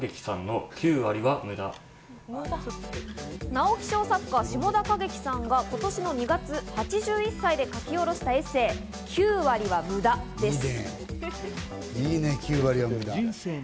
直木賞作家・志茂田景樹さんが今年の２月、８１歳で書き下ろしたエッセー、『９割は無駄』です。